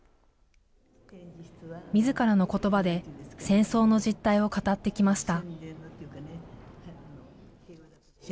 みずからのことばで、戦争の実態を語ってきました。